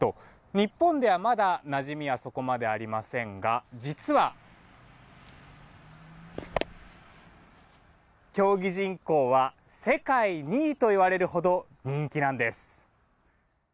日本では、まだなじみはそこまでありませんが実は競技人口は世界２位といわれるほど人気なんです。